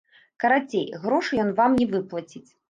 Карацей, грошай ён вам не выплаціць.